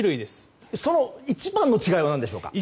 その一番の違いは何でしょうか。